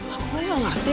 aku mah gak ngerti